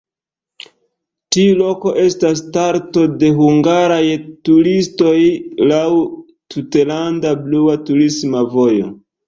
Tiu loko estas starto de hungaraj turistoj laŭ "tutlanda blua turisma vojo".